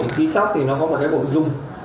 khi sóc thì nó có một cái bộ dung